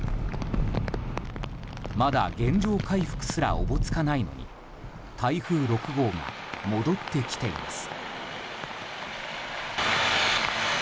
まだ原状回復すらおぼつかないのに台風６号が戻ってきています。